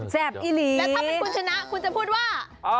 อีหลีแล้วถ้าเป็นคุณชนะคุณจะพูดว่า